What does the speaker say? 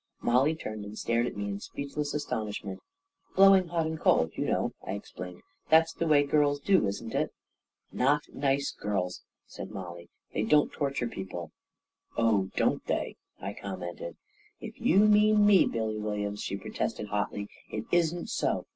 Mollie turned and stared at me in speechless as tonishment. " Blowing hot and cold, you know," I explained, " That's the way girls do, isn't it? " 11 Not nice girls," said Mollie. " They don't tor ture people." 14 Oh, dottt they !" I commented. 44 If you mean me, Billy Williams," she protested hotly, l4 it isn't so!